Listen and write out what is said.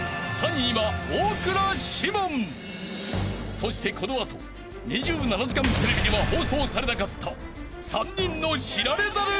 ［そしてこの後『２７時間テレビ』では放送されなかった３人の知られざる激走！］